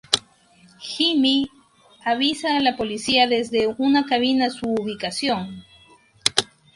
Jimmy avisa a la policía desde una cabina su ubicación.